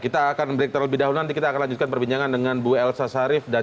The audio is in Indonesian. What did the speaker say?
kita akan break terlebih dahulu nanti kita akan lanjutkan perbincangan dengan bu elsa sarif